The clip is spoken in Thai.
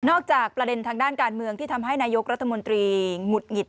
จากประเด็นทางด้านการเมืองที่ทำให้นายกรัฐมนตรีหงุดหงิด